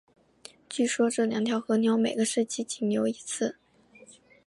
据说这两条河流每个世纪仅流一次。